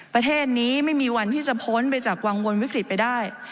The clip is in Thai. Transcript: ประเทศนี้ไม่มีวันที่จะพ้นไปจากวังวลวิกฤตไปได้